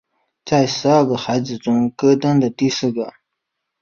在十二个孩子中戈登是第四个。